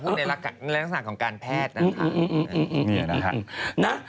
ต้องในลักษณะของการแพทย์นั้นค่ะ